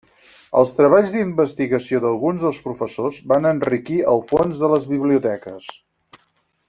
Els treballs d'investigació d'alguns dels professors van enriquir els fons de les biblioteques.